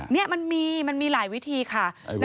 นี่มันมีมันมีหลายวิธีค่ะ